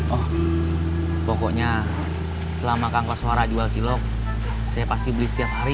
oh pokoknya selama kangku suara jual cilok saya pasti beli setiap hari